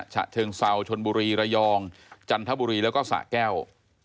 ฉะเชิงเซาชนบุรีระยองจันทบุรีแล้วก็สะแก้ว